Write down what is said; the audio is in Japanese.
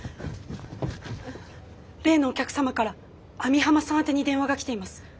例のお客様から網浜さん宛てに電話が来ています。